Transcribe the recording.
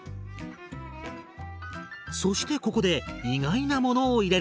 そしてここで意外なものを入れるんです。